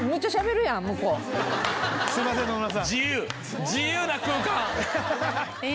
すいません野々村さん。